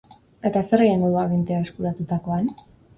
Eta zer egingo du agintea eskuratutakoan?